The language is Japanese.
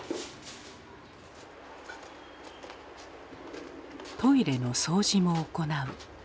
トイレの掃除も行う。